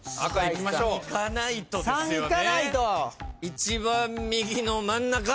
一番右の真ん中！